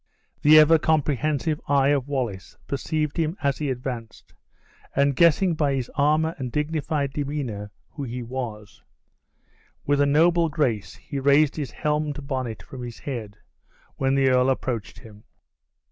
The ever comprehensive eye of Wallace perceived him as he advanced; and guessing by his armor and dignified demeanor who he was, with a noble grace he raised his helmed bonnet from his head when the earl approached him.